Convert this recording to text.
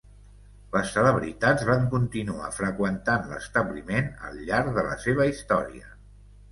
Les celebritats van continuar freqüentant l'establiment al llarg de la seva història.